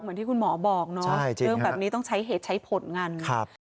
เหมือนที่คุณหมอบอกเนาะเรื่องแบบนี้ต้องใช้เหตุใช้ผลกันครับ